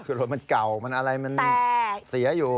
คือรถมันเก่ามันอะไรมันเสียอยู่